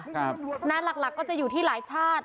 งานหลักก็จะอยู่ที่หลายชาติ